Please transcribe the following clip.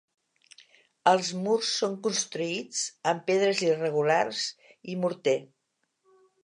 Els murs són construïts amb pedres irregulars i morter.